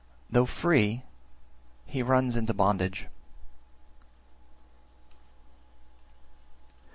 though free, he runs into bondage.